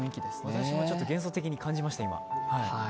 私もちょっと幻想的に感じました、今。